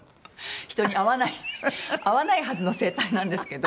人に会わない会わないはずの整体なんですけど。